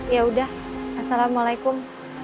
ya udah assalamualaikum